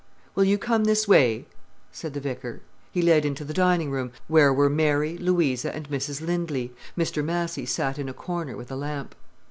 "Will you come this way?" said the vicar. He led into the dining room, where were Mary, Louisa, and Mrs Lindley. Mr Massy sat in a corner with a lamp.